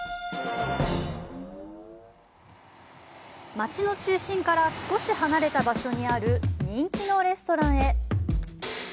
街の中心から少し離れた場所にある人気のレストランへ。